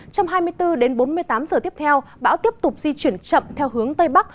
trong hai mươi bốn đến bốn mươi tám giờ tiếp theo bão tiếp tục di chuyển chậm theo hướng tây bắc